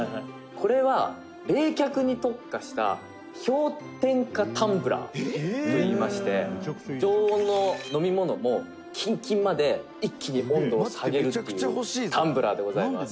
これは、冷却に特化した氷点下タンブラーといいまして常温の飲み物も、キンキンまで一気に温度を下げるっていうタンブラーでございます」